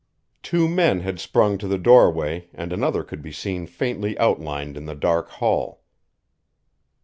Two men had sprung to the doorway, and another could be seen faintly outlined in the dark hall.